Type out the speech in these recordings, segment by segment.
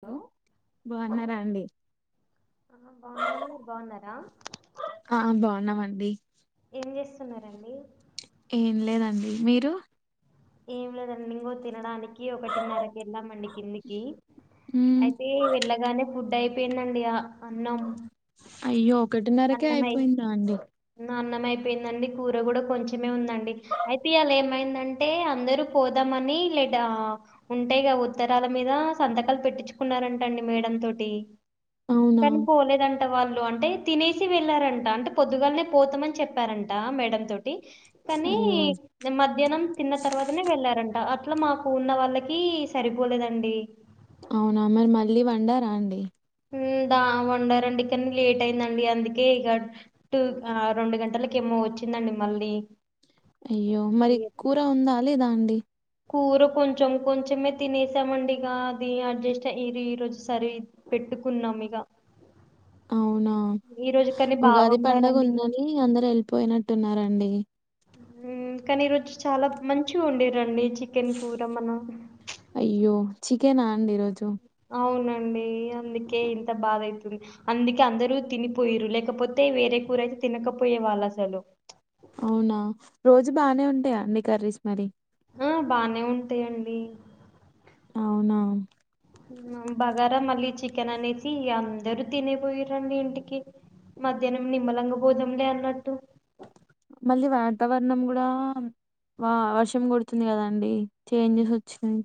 Hello బాగున్నారా అండి ఆ బాగున్నామండి మీరు బాగున్నారా డి ఏం జేస్సున్నారండి ఏం లేదండి మీరు ఏం లేదండి నేం గూ తినడాని కి ఒకటిన్నర కి వెళ్ళామండి కిందికి ఉమ్ అయితే వెళ్ళగానే ఫుడ్ అయిపేయిందండి ఆ అన్నం అయ్యో ఒకటినర్రకే అయిపోయిందా అండి అయిపేయిందండి కూర కూడా కొంచమే ఉందండి అయితే ఇయాల ఏమైందన్ టే అందరూ పోదామని లేట్గా ఉంటే గ ఉత్తరాల మీద సంతకాలు పెట్టించుకున్నారంటండి మేడం తోటి, అవునా కానీ పోలేదంట వాళ్ళు వంటే తినేసి వెళ్లారంట అంటే పొద్దుగాలనే పోతమని చెప్పారంట మేడం తో టి కానీ ఇ అయ్యో మధ్యాహ్నం ఆ తర్వాతనే వెళ్లారన్ ట అట్లా మాకు ఉన్న వాళ్ళకి సరిపోలేదండి అవునా మరి మళ్ళీ వండారా అండి మ్ దా వండారండి కనీ లేట్ అయిందండి అందుకే ఇగ టూ ఆ రెండు గంటలకు ఏమో వచ్చిందండి మళ్ళీ అయ్యో మరి ఇక కూర ఉందా లేదా అండి కూర కొంచెం కొంచమే తినేసామండి ఇగ అది అడ్జస్ట్ అయి ఈరోజు సరి పెట్టుకున్నాం ఇగ, అవునా బాగా ఉగాది పండుగ వండారండి ఉందని అందరు వెళ్ళిపోయినట్టున్నారండి. మ్మ్ కానీ ఈ రోజు చాలా మంచిగా ఉండే వండిరండి చికెన్ కూరమనా చికెన్ అండి ఈరోజు అవునండి అందుకే ఇంత బాధ అవుతుంది అందుకే అందరూ తినిపోయరు లేకపోతే వేరే కూర అయితే తినకపోయే వాళ్ళు అసలు అవునా రోజు బానే ఉంటాయా అండి కర్రీస్ మరి ఆ బానే ఉంటాయంండి అవునా బగారా మళ్ళీ చికెన్ అనేసి అందరుూ తినేపోయిారంండి ఇంటికి మధ్యాహ్నం నిమ్మలంగా పోదాంలే అన్నట్టు మళ్ళీ వాతావరణం కూడా వా వర్షం కొడుతుంది కదాండి చేంజెస్ వచ్చిాయి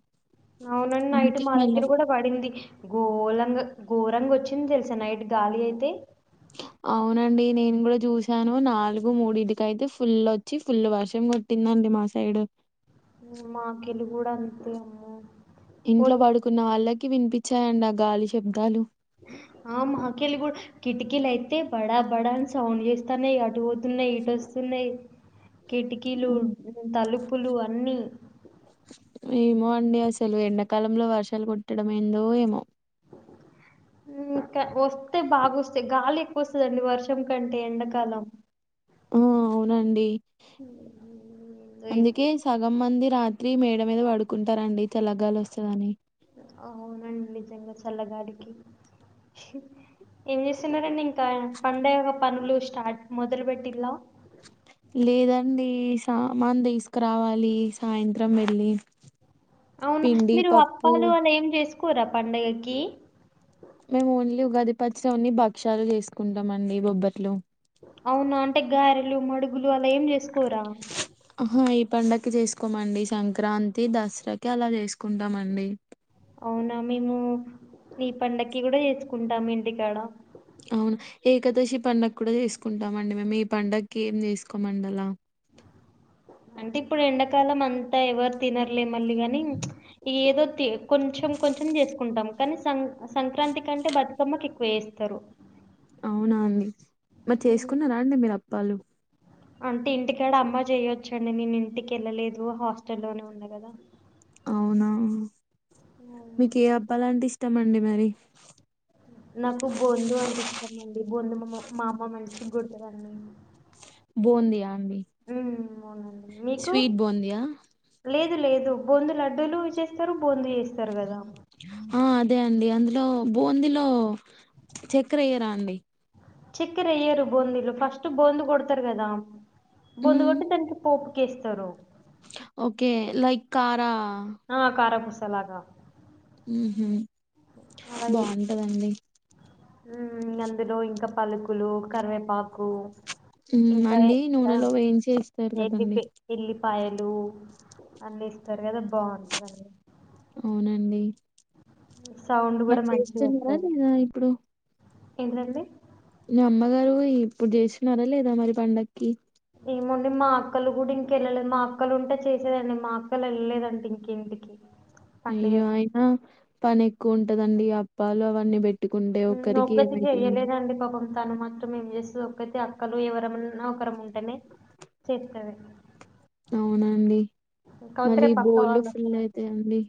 అవునండి నైట్ మా దగ్గర కూడా పడింది గోరంగ గోరంగ వచ్చింది తెలుసా నైట్ గాలి అయితే అవునండి నేను కూడా చూసాను నాలుగు మూడింటికైతే ఫుల్ వచ్చి ఫుల్ వర్షం కొట్టిందండి మా సైడ్ మాకెళ్లి కూడా అంతే అమ్మ ఇంట్లో పడుకున్న వాళ్ళకి కి వినిపించాయండి ఆ గాలి శబ్దాలు ఆ మాఖలు కూడా కిటికీలు అయితే బడా బడా అని సౌండ్ చేస్తాన్నాయి అటు పోతున్నాయి ఇటు వస్తున్నాయి కిటికీలు ఉమ్, తలుపులు అన్నీ కాలంలో వర్షాలు కుట్టడం ఏందో ఏమో వస్తే బాగా వస్తాయి గాలి ఎక్కువ వస్తుందండి వర్షం కంటే ఎండాకాలం ఆ అవునండి ఏందో ఏమో అందుకే సగం మంది రాత్ర ఇత్రి మేడ మీద వాడుకుంటారంండి తెలగాలు వస్తుందని అవునండి నిజంగా చల్లగాడికి ఏం చేస్తున్నారండి ఇంకా పండగ యొక్క పనులు స్టార్ట్ మొదలు పెెట్టిలా లేదండి సామాన్ తీసుకురావాలి సాయంత్రం వెళ్ళి అవును పిండి మీరు పప్పు అప్పాలు అలా ఏం చేసుకో కూరా పండగకి మేము మోన్లీ ఉగాది పచ్చన్ని భక్ష్యాలు చేసుకుంటాంండి బొబ్బర్లు అవును అంటే గారెలు మడుగులు అలా ఏం చేసుకు పోరా పడుకి చేసుకోమండి సంక్రాంతి దసరాకి అలా చేసుకుంటామండి అవునా మేము ఈీ పండకి కూడా చేసుకుంటాం ఇంటికాడ అవును ఏకాదశి పడుగ కూడా చేసుకుంటామండి మేము ఈ పడుగకి ఏం చేసుకోమండి అలా అంటే ఇప్పుడు ఎండాకాలం అంతా ఎవరు తినర్లేం మల్గానింగ్ ఇ ఏదో తే కొంచెం కొంచెం చేసుకుంటాం కానీ సం సంక్రాంతి కంటే బతుకమ్మకి చేస్తారు అవునా అండి మరి ఉమ్. చేసుకున్నారా అండి మీరు అ పలు అంటే ఇంటికాడ అమ్మా చేయొచ్చండి నేను ఇంటికి వెళ్ళలేదు హాస్టల్లోనే ఉన్నా కదా అవునా మీకు ఏ అబాయిలు ఆంటే ఇష్ట మడి మరి బొంధ మామ్మ మా అమ్మమ్ మనిచ్చి కొడట్టదన్ని బంది అండీ అవును అం స్వీట్ బాందయా లేదు లేదు బొందు లడ్డూలు చేస్తారు బోందు చేస్తారు కదా ఆ అదే అండి అందులో బూందీలో చక్కెర అయ్యరా అండి చక్కెర ఏయరు బొందల్లు ఫస్ట్ బొంద కొడతారు కదా బందు మ్మ్ ఒకటి దననికి పో కేస్తరువు ఓకే లైక్ కారా ఆ కారాకుస్ చలాగా ఉ హమ్ బాగుంటదండి అందులో ఇంకా పలుకులు కరివేపాకు ఉమ్ ఇంకా అన్నీ ఆ నూనెలో వేయి చేస్తారు కధండి పయలు అన్ని ఇస్తారు కదా బాగుంటందండి అవునండి సౌండ్ కూడా మరి మంచిగా చేస్తున్నారా నేద ఇప్పుడు ఎంటండి న అమ్మగారు ఇప్పుడు చేసినారా లేదా మరి పండగకి ఈముండి మా అక్కలు కూడా ఇంకెళ్ళలేదు మా అక్కలు ఉంటే చేసేదండి మా అక్కలు వెళ్ళలేదంటే ఇంక ఇంటికి అయ్యో అయినా పని ఎక్కువ ఉంటదండి అప్పాాలు అవన్నీ పెట్టి నొకటి చెయ్యలేదండి పాపం తాను మాత్రం ఏం చేస్త ఒకైతే అక్కలు ఎవరన్నా ఒకరం ఉంటేనే చేస్తంది అవున్ అండి మళ్ళీ రేపు అక్క బోలు వాళ్ళు ఫుల్ వస్తారండి అయితా అండి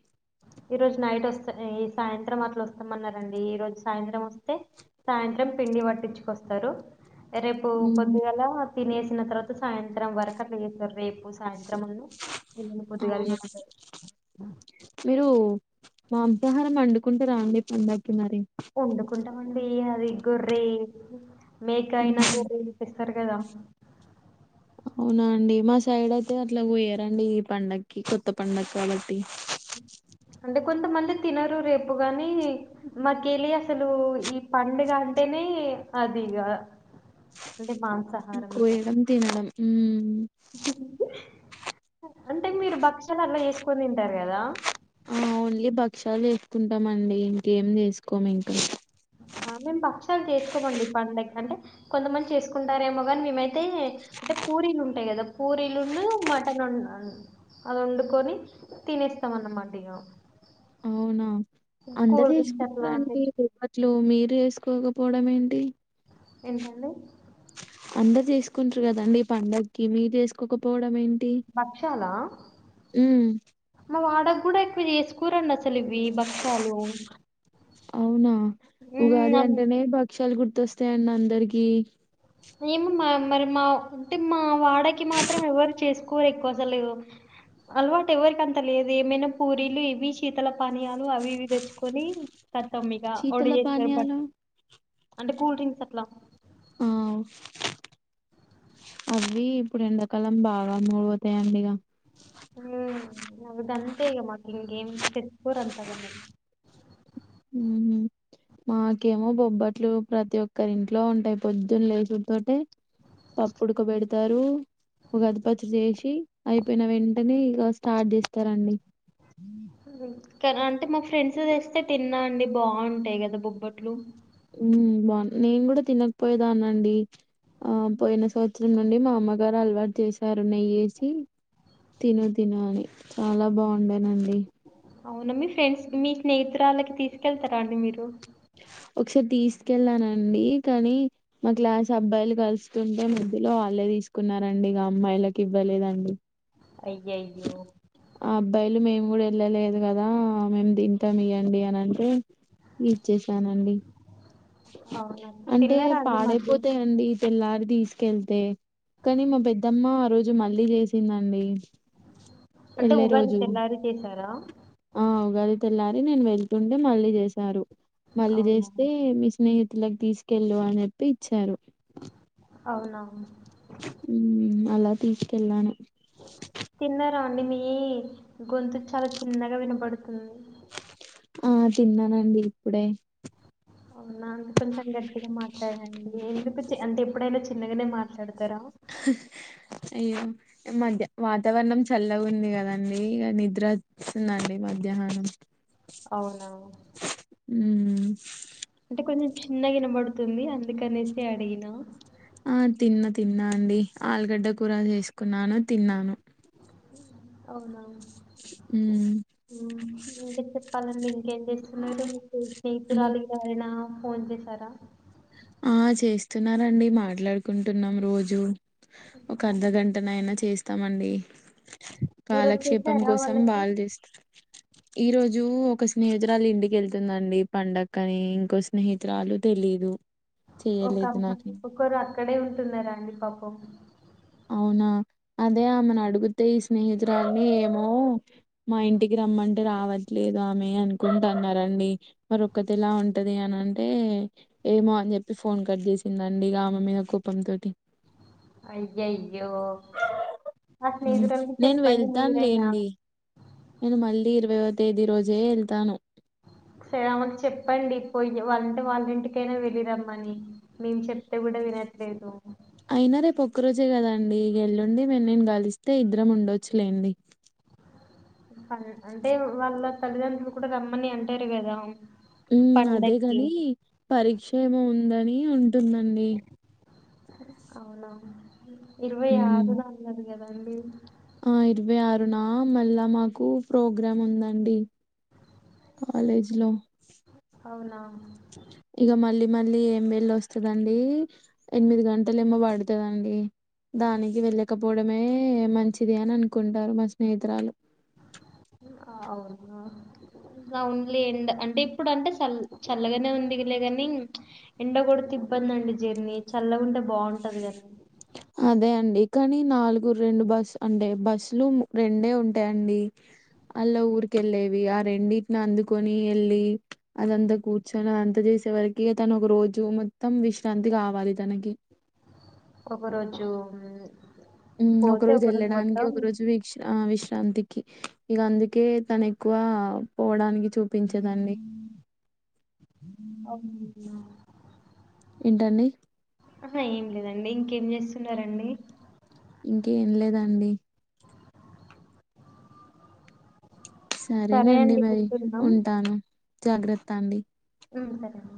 ఈ రోజు నైట్ వస్త ఈ సాయంత్రం అట్లా వస్తామన్నారంండి ఈ రోజు సాయంత్రం వస్తే సాయంత్రం పిండి పట్టించుకొస్తారు రేపు ఉహు. పొద్దుగాల తినేసిన తర్వాత సాయంత్రం వరకు అట్లా చేస్తారు రేపు సాయంత్రం అను అవునా మీరు మాంసాహారం వండుకుంటే రాండి పండం పండక్కి మరి వొండి అది గొర్ర్రి మేకాయినా ఉహు. గోరె గోస్తారు కదా అవునా అండి మా సైడ్ అయితే అట్లా కోయరండి ఈ పండక్కి కొత్త పండగ కాబట్టి అంటే కొంతమంది తినరు రేపు గానీ మాకి వెళి అసలు ఈ పండుగ అంటేనే అది ఇగ అంటే మాంస కోయడం తినడం ఊ అంటే మీరు భక్షాలు అట్లా చేసుకొని తింటారు కదా ఆ ఓన్లీ భక్ష్యాలు చేసుకుంటామండి ఇంకేం చేసుకోము ఇంకా ఆ మేము భక్షాలు చేసుకోమండి పండక్కి దగ్గర అంటే కొంతమంది చేసుకుంటారేమో కాని మేమైతే అంటే పూరీలు ఉంటాయి కదా పూరీలును మటన్ అది వండుకొని తినేస్తాం అన్నమాట ఇగ అవునా అందరు కూల్ డ్రింక్స్ అట్లా చేసుకుంటారండి తెచ్చు నిప్పట్లు మీరే చేసుకోకపోవడం ఏంటి ఏంటండి అందరు చేసుకుంటారు కదండి ఈ పండగకి మీరు చేసుకోకపోవడం ఏం బక్షలా మ వాడ ఎక్కువ చేసుకోవాలండి అస అవునా మ్మ్ ఉగాది అన్ అంటేనే భక్ష్యాలు గుర్ గుర్తు వస్తాయి అండి అందరికి ఏమో మా మరి మా అంటే మా వాడకి మాత్రం ఎవరు చేసుకోరు ఎక్కువ అసలు అలవాటు ఎవరికి అంత లేదు ఏమైనా పూరీలు ఇవి శీతల పానీయాలు అవి ఇవి తెచ్చుకొని శీతల పానీయాలు [unintelligible] కూల్ డ్రింక్స్ అట్లా ఆ అవి ఇప్పుడు ఎండాకాలం బాగా మూవ్ అయితాయండి ఇక ఊ అవుదం అంతే ఇంకా మాకు ఇంకేమి చెప్పుకోరు అంతగా ఊ హూ మాకేమో బొబ్బట్లు ప్రతి ఒక్కరి ఇంట్లో ఉంటాయి పొద్దున్న లేచుడతోటే పప్పుడుకబెడతారు ఉగాది పచ్చడి చేసి అయిపోయిన వెంటనే స్టార్ట్ చేస్తారండి కదా అంటే మా ఫ్రెండ్స్ తెస్తే తిన్నా అండి బాగుంటాయి కద బొబ్బట్లు ఉ బాగు నేను కూడా తినకపోయేదానండి ఆ పోయిన సంవత్సరం నుండి మా అమ్మగారు అలవాటు చేశారు నెయ్యేసి తిను తిను అని చాలా బాగుండేనండి అవునా మీ ఫ్రెండ్స్ మీ స్నేహితురాలకి తీసుకెళ్తారా అండి మీరు ఒకసారి తీసుకెళ్ళానండి కానీ మా క్లాస్ అబ్బాయిలు కలుస్తుంటే మధ్యలో వాళ్ళే తీసుకున్నారండి ఇక అమ్మాయిలకు ఇవ్వలేదండి అయ్యయ్యో [unintelligible] వెళ్ళలేదు కదా మేము తింటాం ఇవ్వండి అని అంటే ఇచ్చేసానండి అవునా అంటే తిన్నారా అండి మధ్య పాడైపోతాయండి తెల్లారి తీసుకెళ్తే కానీ మా పెద్దమ్మ ఆ రోజు మళ్ళీ చేసిందండి అంటే ఉగాది తెల్లారి చేసారా ఆ ఉగాది తెల్లారే నేను వెళ్తుంటే మళ్ళీ చేశారు మళ్ళీ అవునా చేస్తే మీ స్నేహిత్ తులకి తీసుకెళ్ళు అని చెప్పి ఇచ్చారు అవునవును హమ్ అలా తీసుకెళ్ళాను తిన్నారా అండి మీ గొంతు చాలా చిన్నగా వినబడుతుంది ఆ తిన్నానండి ఇప్పుడే అవునా కొంచెం గట్టిగా మాట్లాడండి ఎందుకు చే అంతే ఎప్పుడైనా చిన్నగానే మాట్లాడతారా అయ్యో మధ్య వాతావరణం చల్లగా ఉంది కదండి ఇగా నిద్ర వస్తుందండి మధ్యాహ్నం అవునా అ అంటే కొంచెం చిన్నగా వినబడుతుంది అందుకనేసి అడిగిన ఆ తిన్న తిన్నా అండి ఆలుగడ్డ కూర చేసుకున్నాను తిన్నాను అవునా మ్మ్. హమ్ [unintelligible] [unintelligible] ఇంకేం చేస్తున్నారు మీ ఈ- స్నేహితురాలు [unintelligible] ఫోన్ జేశార ఆ చేస్తున్నారండి మాట్లాడుకుంటున్నాం రోజు ఒక అర్ధగంటనైయినా చేస్ తమండి ఈరోజు కాలక్షేపం చేశారా కోసం వాళ్ళకి బాల్ చేస్ ఈ రోజు ఒక స్నేహితురాలు ఇంటికెళ్తుందండి పండక్ అని ఇంకో స్నేహితురాలు తెలిదు ఒక అమ్మ ఒక రా అక్కడే ఉంటున్నారా అండి పాపం అవునా అదే ఆమెను అడుగితే ఈ స్నేహితురాన్నీ ఏమో మా ఇంటికి రమ్మంటే రావట్లేదు ఆమె అనుకుంటన్నారండీ. మరి ఒక్కతి ఎలా ఉంటది అని అంటే ఏమో అని చెప్పి ఫోన్ కట్ చేసిందండి. ఇక ఆమె మీద కోపంతోటి అయ్యయ్యో ఆ స్నేహితురాలికి నేను చెప్పండి వెళ్తాను మీరైనా లేండి నేను మళ్ళీ ఇరవైవ తేదీ రోజే వెళ్తాను ఒకసారి ఆమెకు చెప్పండి పోయి వాళ్ళంటే వాళ్ళ ఇంటికైనా వెళ్లిరమ్మని మేము చెప్తే కూడా వినట్లేదు అయినా రేపు ఒక్క రోజే కదా అండి ఇగ ఎల్లుండి మే నేను గలిస్తే ఇద్దరం ఉండొచ్చులేండి అన్ అంటే వాళ్ళ తల్లిదండ్రులు కూడా రమ్మని అంటారు కదా ఉ పండక్కి అదేగాని పరీక్ష ఏమో ఉన్ దని ఉంటుందండి అవునా ఇరవై హ్మ్. ఆరుదా అన్నదు గదా అండి ఆ ఇరవై ఆరునా మళ్ళా మాకు ప్రోగ్రామ్ ఉందండి కాలేజ్ లో అవునా ఇక మళ్ళీ మళ్ళీ ఏం వేల్ళ వస్తందండి ఎనిమిది గంటలు ఏమో పడుతుదండి దానికి వెళ్ళకప్ పోవడమే మంచిది అని అనుకుంటారు మా స్నేహితురాలు అవునా ఓన్లీ ఎండ అంటే ఇప్పుడు అంటే చల్ చల్లగానే ఉందిలే ని ఎండ కూడా తిబ్బందిండి జర్నీ చల్లగుంటే బాగుంటది గాని అదే అండి కానీ నాలుగు రెండు బస్సు అంటే బస్సులు రెండే ఉంటాయిండి అలా ఊరికి వెళ్ళేవి ఆ రెండిటిని అందుకొని ఎళ్ళి అదంతా కూర్చొని అ అంత చేసేవరకి తను ఒక రోజు మొత్తం విశ్రాంతి కావాలి తనకి ఒక రోజు మ్మ్ ఒక రోజు వెళ్ళడానికి ఒక రోజు విష్ విష్ శ్రాంతికి ఇక అందుకే తను ఎక్కువ పోవడానికి చూపించేదండి అవునా. ఏంటండి అహ ఏం లేదండి ఇంకేం చేస్తున్నారండి ఇంకేం లేదండి సరే సరేనండి అండి మరి ఉంటున్నాం ఉంటాను జాగ్రత్త అండి ఉమ్ సరే అండి